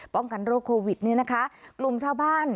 ป้องกันโรคโควิดเนี่ยนะคะกลุ่มชาวบ้าน